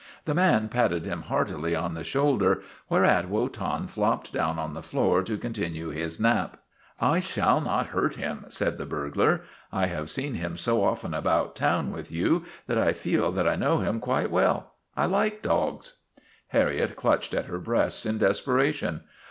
The man patted him heartily on the shoulder, whereat Wotan flopped down on the floor to continue his nap. " I shall not hurt him," said the burglar. " I have seen him so often about town with you that I feel that I know him quite well. I like dogs." Harriet clutched at her breast in desperation.